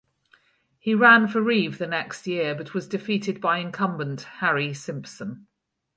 He ran for reeve the next year but was defeated by incumbent Harry Simpson.